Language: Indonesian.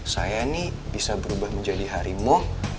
saya ini bisa berubah menjadi harimau